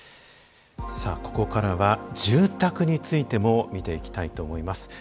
ここからは住宅についても見ていきたいと思います。